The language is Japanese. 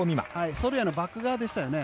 ソルヤのバック側でしたよね。